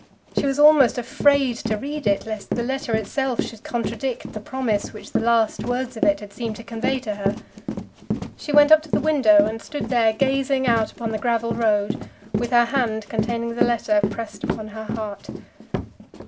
She was almost afraid to read it lest the letter itself should contradict the promise which the last words of it had seemed to convey to her. She went up to the window and stood there gazing out upon the gravel road, with her hand containing the letter pressed upon her heart.